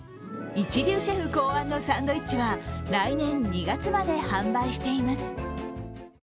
一流シェフ考案のサンドイッチは来年２月まで販売しています。